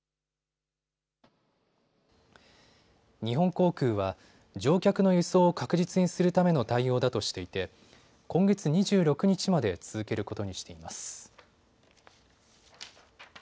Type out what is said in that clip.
日本航空は、乗客の輸送を確実にするための対応だとしていて今月２６日まで続けることにしています。